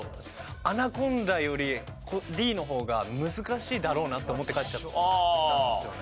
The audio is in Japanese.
アナコンダよりＤの方が難しいだろうなと思って書いちゃったんですよね。